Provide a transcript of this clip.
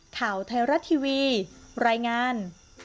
ข่าวไทยรัฐทีวีรายงาน